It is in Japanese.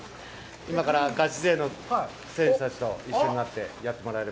今からガチ勢の選手たちと一緒になってやってもらえれば。